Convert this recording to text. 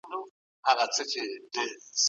زور د عقيدې په بدلولو کي کار نه ورکوي.